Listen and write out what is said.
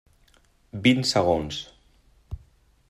Vint segons.